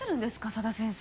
佐田先生